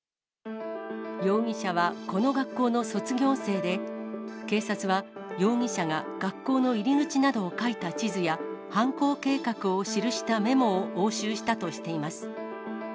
容疑者はこの学校の卒業生で、警察は、容疑者が学校の入り口などを描いた地図や、犯行計画を記したメモを押収したとしています。